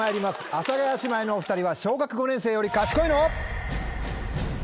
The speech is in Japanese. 阿佐ヶ谷姉妹のお２人は小学５年生より賢いの？